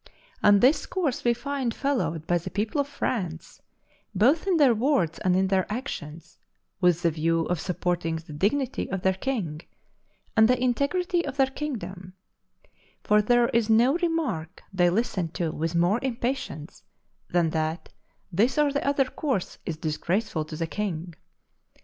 And this course we find followed by the people of France, both in their words and in their actions, with the view of supporting the dignity of their king and the integrity of their kingdom; for there is no remark they listen to with more impatience than that this or the other course is disgraceful to the king.